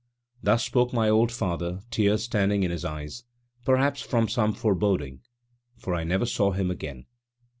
Thus spoke my old father, tears standing in his eyes, perhaps from some foreboding, for I never saw him again.